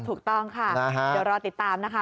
ถูกต้องค่ะเดี๋ยวรอติดตามนะคะ